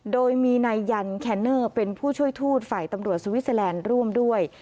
โดยมีนายยันแคนเนอร์เป็นผู้ช่วยทูตฝ่ายตำรวจสวิสเตอร์แลนด์ร่วมด้วย